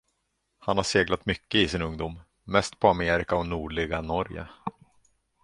Han har seglat mycket i sin ungdom, mest på Amerika och nordliga Norge.